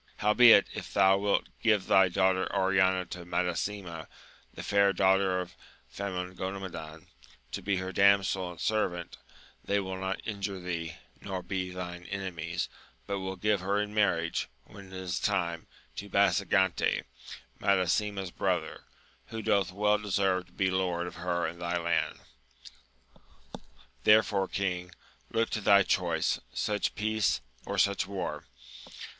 Howbeit, if thou wilt give thy daughter Oriana to Madasima, the fair daughter of Famongomadan, to be her damsel and servant, they wiU not injure thee, nor be thine enemies, but wiU give her in marriage, when it is time, to Basagante, Madasima's brother, who doth well deserve to be lord of her and thy land. Therefore, king, look to thy choice ! such peace, or such war